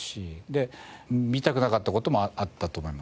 で見たくなかった事もあったと思います。